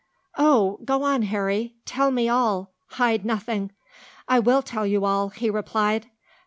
"Oh! go on, Harry. Tell me all. Hide nothing." "I will tell you all," he replied.